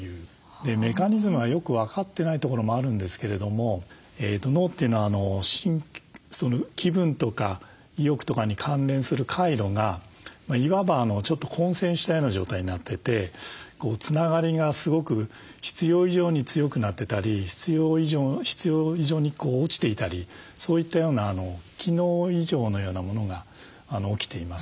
メカニズムはよく分かってないところもあるんですけれども脳というのは気分とか意欲とかに関連する回路がいわばちょっと混線したような状態になっててつながりがすごく必要以上に強くなってたり必要以上に落ちていたりそういったような機能異常のようなものが起きています。